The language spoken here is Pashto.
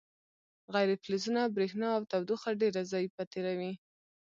غیر فلزونه برېښنا او تودوخه ډیره ضعیفه تیروي.